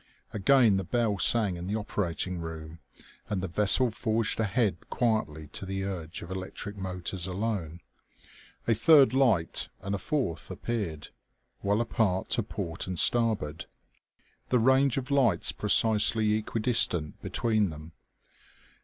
Again the bell sang in the operating room, and the vessel forged ahead quietly to the urge of electric motors alone. A third light and a fourth appeared, well apart to port and starboard, the range lights precisely equidistant between them.